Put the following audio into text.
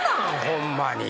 ホンマに。